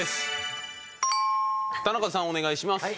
田中さんお願いします。